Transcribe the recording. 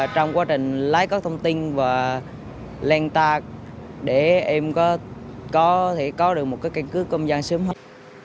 trong quá trình lái các thông tin và len tạc để em có thể có được một cái căn cước công dân sớm hơn